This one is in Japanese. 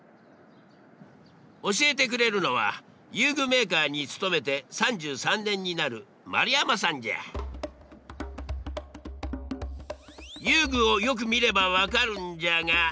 教えてくれるのは遊具メーカーに勤めて３３年になる遊具をよく見れば分かるんじゃが。